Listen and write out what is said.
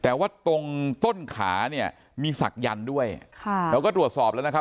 แต่ว่าตรงต้นขาเนี่ยมีศักยันต์ด้วยค่ะเราก็ตรวจสอบแล้วนะครับ